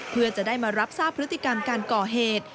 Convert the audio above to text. เพื่อจะได้มารับทราบพฤติกรรมการก่อเหตุ